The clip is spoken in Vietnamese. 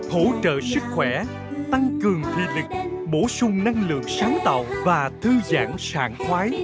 hỗ trợ sức khỏe tăng cường thị lực bổ sung năng lượng sáng tạo và thư giãn sản khoái